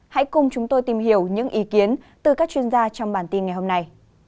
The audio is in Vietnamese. hãy cùng chúng tôi tìm hiểu những ý kiến từ các chuyên gia trong bản tin ngày hôm nay